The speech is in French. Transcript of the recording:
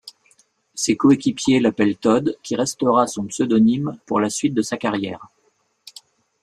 Ses coéquipiers l'appellent ToD qui restera son pseudonyme pour la suite de sa carrière.